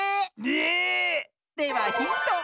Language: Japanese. えっ⁉ではヒント。